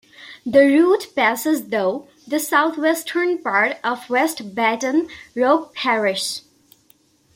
The route passes though the southwestern part of West Baton Rouge Parish.